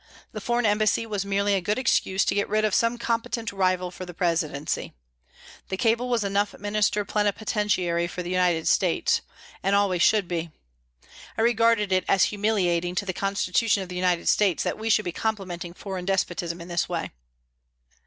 The foreign embassy was merely a good excuse to get rid of some competent rival for the Presidency. The cable was enough Minister Plenipotentiary for the United States, and always should be. I regarded it as humiliating to the constitution of the United States that we should be complimenting foreign despotism in this way.